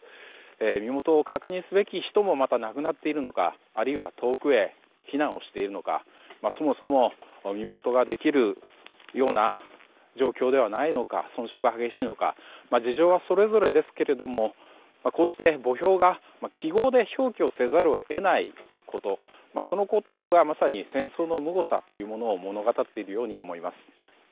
身元を確認すべき人もまた亡くなっているのかあるいは遠くへ避難をしているのかそもそも身元ができるような状況ではないのか損傷が激しいのか事情はそれぞれですけどこうして記号で表記せざる得ないということそのことが、まさに戦争のむごさというものを物語っているように思います。